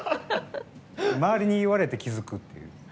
周りに言われて気付くっていう。